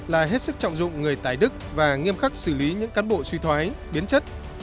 là hết sức trọng dụng người tài đức và nghiêm khắc xử lý những cán bộ suy thoái biến chất